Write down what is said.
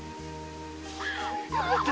よかった！